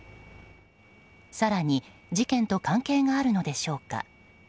更に、事件と関係があるのでしょうか。